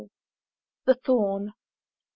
THE THORN. I.